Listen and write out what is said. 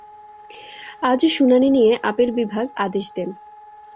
আজ শুনানি নিয়ে আপিল বিভাগ আদেশ দেন।